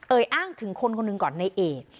อ้างถึงคนคนหนึ่งก่อนในเอก